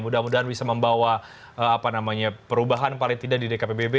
mudah mudahan bisa membawa perubahan paling tidak di dkpbb